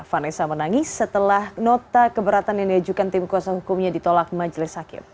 vanessa menangis setelah nota keberatan yang diajukan tim kuasa hukumnya ditolak majelis hakim